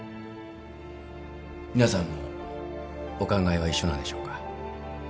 皆さんもお考えは一緒なんでしょうか。